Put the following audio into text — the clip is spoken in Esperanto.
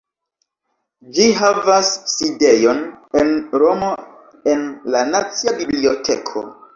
Ĝi havas sidejon en Romo en la nacia biblioteko.